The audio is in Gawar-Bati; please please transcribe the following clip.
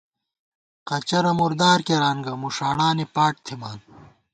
قچرَہ مردار کېران گہ ، مُݭاڑانی پاٹ تھِمان